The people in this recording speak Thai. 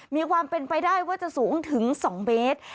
มีความเป็นไปได้ว่าจะสูงถึง๒เมตร